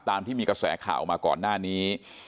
ตามที่มีกระแสข่าวมาก่อนหน้านี้